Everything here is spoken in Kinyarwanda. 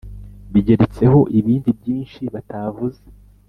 Bigeretseho ibindi byinshi batavuze